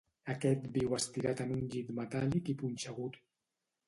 Aquest viu estirat en un llit metàl·lic i punxegut.